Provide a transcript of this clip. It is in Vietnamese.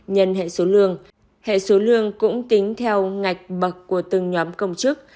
nhân hệ số lương hệ số lương cũng tính theo ngạch bậc của từng nhóm công chức